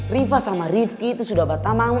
riva sama rifki itu sudah berteman